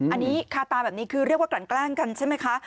อันนี้ค่าตาแบบนี้คือกลั่นแกล้งกันใช่ไหมคะ